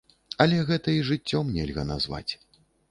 Але гэта і жыццём нельга назваць.